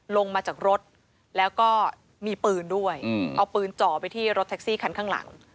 ลงมาจากรถแล้วก็มีปืนด้วยเอาปืนจ่อไปที่รถแท็กซี่คันข้างหลัง